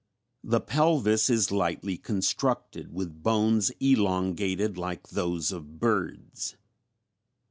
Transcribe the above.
The pelvis is lightly constructed with bones elongated like those of birds.